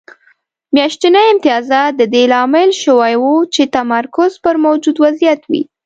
میاشتني امتیازات د دې لامل شوي وو چې تمرکز پر موجود وضعیت وي